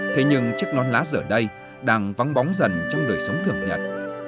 thế nhưng chiếc non lá giờ đây đang vắng bóng dần trong đời sống thường nhật